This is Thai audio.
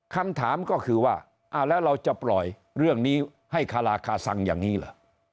คำถามก็คือว่าอะแล้วเราจะปล่อยเรื่องนี้ให้คลาคาคน้งงี้เหรอ